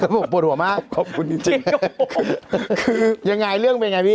ผมปวดหัวมากจริงครับผมคือยังไงเรื่องเป็นไงพี่